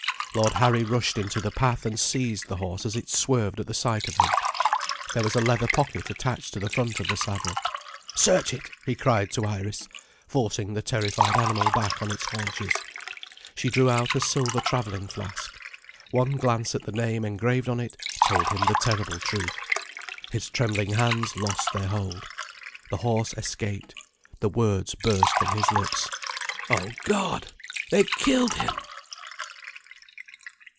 Lord Harry rushed into the path and seized the horse as it swerved at the sight of him. There was a leather pocket attached to the front of the saddle. "Search it!" he cried to Iris, forcing the terrified animal back on its haunches. She drew out a silver travelling flask. One glance at the name engraved on it told him the terrible truth. His trembling hands lost their hold. The horse escaped; the words burst from his lips: "Oh, God, they've killed him!"